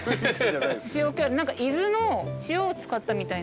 何か伊豆の塩を使ったみたいな。